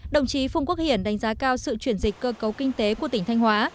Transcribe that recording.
đồng chí phùng quốc hiển đánh giá cao sự chuyển dịch cơ cấu kinh tế của tỉnh thanh hóa